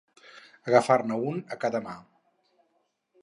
Agafar-ne un a cada mà.